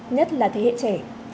nhất là thế hệ trẻ